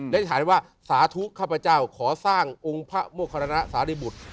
ได้ถ่ายว่าสาธุข้าพเจ้าขอสร้างองค์พระโมครานะสารีบุตร